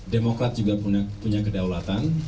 demokrat juga punya kedaulatan